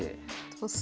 トス。